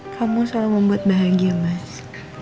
kamu selalu membuat bahagia mas